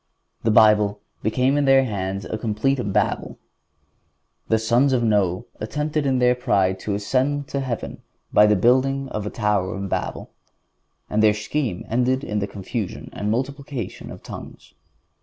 The Bible became in their hands a complete Babel. The sons of Noe attempted in their pride to ascend to heaven by building the tower of Babel, and their scheme ended in the confusion and multiplication of tongues.